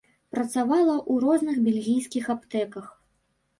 Працавала ў розных бельгійскіх аптэках.